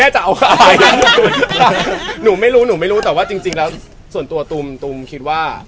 จะให้ตอบตรงนี้ก็ไม่ได้